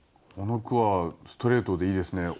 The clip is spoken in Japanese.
この句はストレートでいいですね。